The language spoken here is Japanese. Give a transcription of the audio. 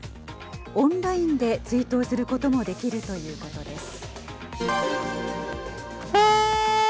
オンラインで追悼することもできるということです。